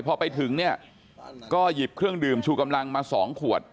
พอไปถึงเนี่ยก็หยิบเครื่องดื่มชูกำลังมา๒ขวด